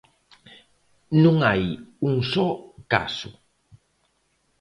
Non hai un só caso.